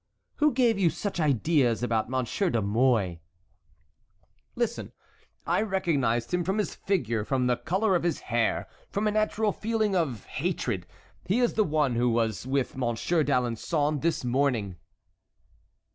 "Who gave you such ideas about Monsieur de Mouy?" "Listen! I recognized him from his figure, from the color of his hair, from a natural feeling of hatred. He is the one who was with Monsieur d'Alençon this morning."